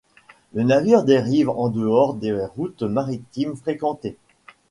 Le navire dérive en dehors des routes maritimes fréquentées.